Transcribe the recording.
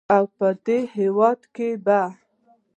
او په دې هېواد کې به